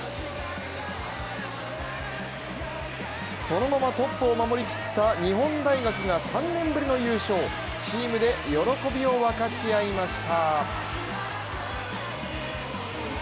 そのままトップを守り切った日本大学が３年ぶりの優勝チームで喜びを分かち合いました。